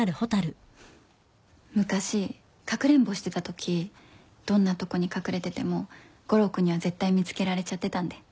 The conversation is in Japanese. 昔かくれんぼしてたときどんなとこに隠れてても悟郎君には絶対見つけられちゃってたんで。